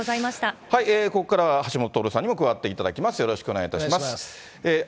ここからは橋下徹さんにも加わっていただきます。